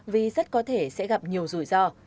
vì rất có thể sẽ gặp nhiều rủi ro